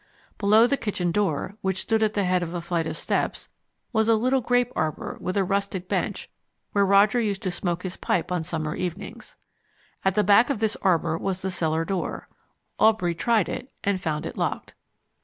Below the kitchen door which stood at the head of a flight of steps was a little grape arbour with a rustic bench where Roger used to smoke his pipe on summer evenings. At the back of this arbour was the cellar door. Aubrey tried it, and found it locked.